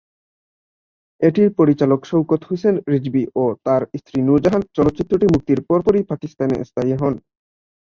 এটির পরিচালক শওকত হোসেন রিজভী ও তাঁর স্ত্রী নূর জাহান চলচ্চিত্রটি মুক্তির পরপরই পাকিস্তানে স্থায়ী হন।